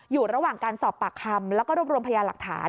อยู่ระหว่างการสอบปากคำแล้วก็รวบรวมพยานหลักฐาน